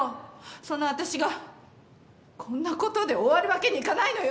その私がこんなことで終わるわけにいかないのよ。